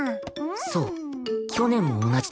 そう去年も同じだった。